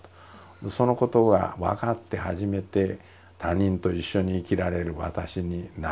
そのことが分かって初めて他人と一緒に生きられる私になれるんだと。